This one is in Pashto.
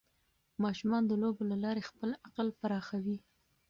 ماشومان د لوبو له لارې خپل عقل پراخوي.